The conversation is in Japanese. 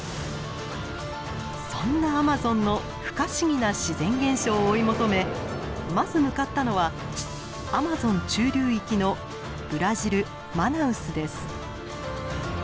そんなアマゾンの不可思議な自然現象を追い求めまず向かったのはアマゾン中流域のブラジルマナウスです。